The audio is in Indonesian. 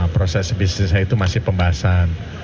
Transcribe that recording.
proses bisnisnya itu masih pembahasan